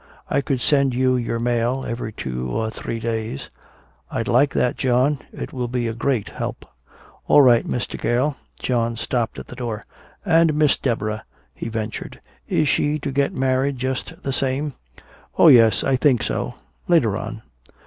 I could send you your mail every two or three days." "I'd like that, John it will be a great help." "All right, Mr. Gale." John stopped at the door. "And Miss Deborah," he ventured. "Is she to get married just the same?" "Oh, yes, I think so later on."